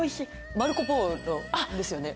マルコポーロですよね？